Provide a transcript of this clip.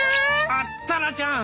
あっタラちゃん！